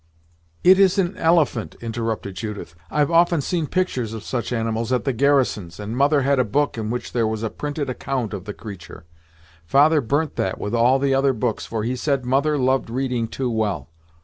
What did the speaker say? "It is an elephant," interrupted Judith. "I've often seen pictures of such animals, at the garrisons, and mother had a book in which there was a printed account of the creature. Father burnt that with all the other books, for he said Mother loved reading too well.